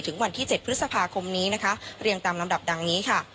วันที่๗พฤษภาคมนี้นะคะเรียงตามลำดับดังนี้ค่ะ